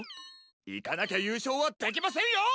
いかなきゃゆうしょうはできませんよ！